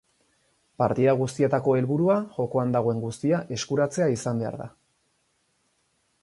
Partida guztietako helburua jokoan dagoen guztia eskuratzea izan behar da.